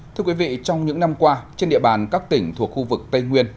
thưa quý vị trong những năm qua trên địa bàn các tỉnh thuộc khu vực tây nguyên